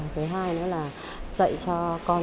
thứ hai là dạy cho con